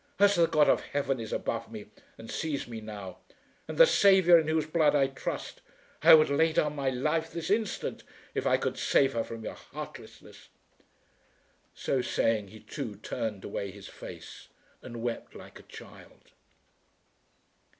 As the God of Heaven is above me, and sees me now, and the Saviour in whose blood I trust, I would lay down my life this instant, if I could save her from your heartlessness." So saying he too turned away his face and wept like a child.